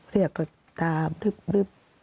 เรียกก็ตาพลึบ